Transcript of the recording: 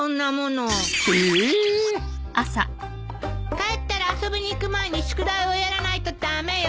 帰ったら遊びに行く前に宿題をやらないと駄目よ。